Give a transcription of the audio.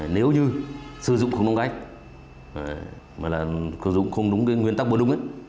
nếu như sử dụng không đúng cách mà là sử dụng không đúng cái nguyên tắc bổ đúng ấy